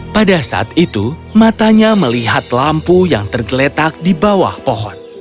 pada saat itu matanya melihat lampu yang tergeletak di bawah pohon